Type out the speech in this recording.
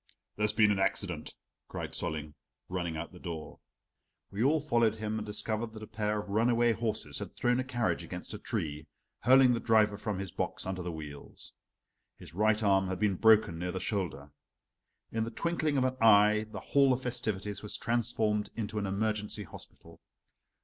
"There's been an accident," cried Solling, running out to the door. We all followed him and discovered that a pair of runaway horses had thrown a carriage against a tree, hurling the driver from his box, under the wheels. His right arm had been broken near the shoulder. In the twinkling of an eye the hall of festivities was transformed into an emergency hospital.